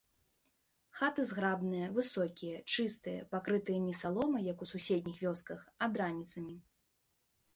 Хаты зграбныя, высокія, чыстыя, пакрытыя не саломай, як у суседніх вёсках, а драніцамі.